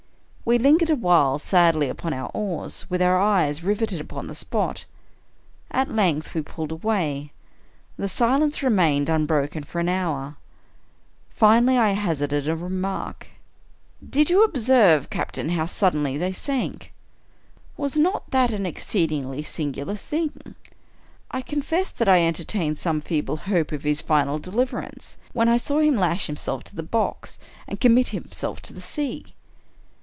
We lingered awhile sadly upon our oars, with our eyes riveted upon the spot. At length we pulled away. The silence remained unbroken for an hour. Finally, I hazarded a remark. " Did you observe, captain, how suddenly they sank? Was not that an exceedingly singular thing? I confess that I entertained some feeble hope of his final deliverance, when I saw him lash himself to the box, and commit himself to the sea."